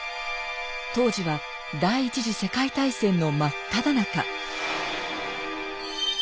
当時は第１次世界大戦のまっただ中。